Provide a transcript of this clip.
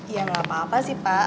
ya nggak apa apa sih pak